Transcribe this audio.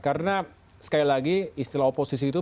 karena sekali lagi istilah oposisi itu